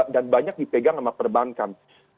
dan banyak dipegang sama perbankan